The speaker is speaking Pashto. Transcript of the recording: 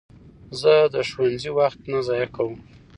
زه د ښوونځي وخت نه ضایع کوم.